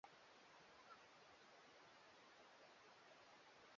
inayofanywa na Mamlaka ya Udhibiti wa Nishati na Petroli Aprili kumi na nne